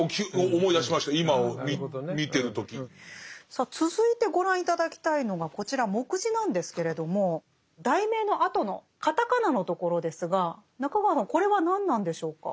さあ続いてご覧頂きたいのがこちら目次なんですけれども題名のあとの片仮名のところですが中川さんこれは何なんでしょうか？